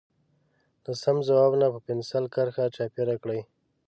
له سم ځواب نه په پنسل کرښه چاپېره کړئ.